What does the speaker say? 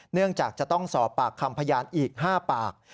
เนื่องจากจะต้องสอบปากคำพยานอีก๕ปาก